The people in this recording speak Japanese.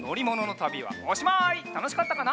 たのしかったかな？